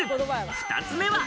２つ目は。